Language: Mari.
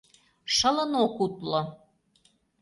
Шылын ок утло.